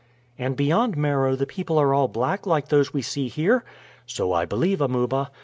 "And beyond Meroe the people are all black like those we see here?" "So I believe, Amuba.